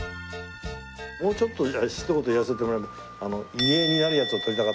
もうちょっとひと言言わせてもらうと。